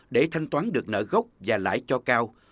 để thanh toán được nợ gốc và lãi cho cao